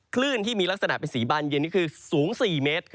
คลื่นที่มีลักษณะเป็นสีบานเย็นนี่คือสูง๔เมตร